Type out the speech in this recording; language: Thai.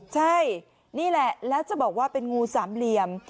ใช่นี่แหละแล้วจะบอกว่าเป็นงูสามเหลี่ยม